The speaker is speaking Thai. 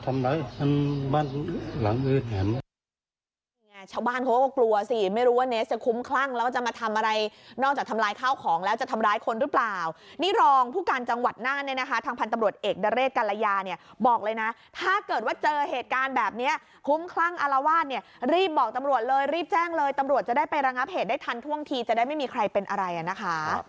มาทำร้ายบ้านหลังเอิดแห่ง